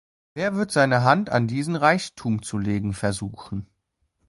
Wer wird seine Hand an diesen Reichtum zu legen versuchen?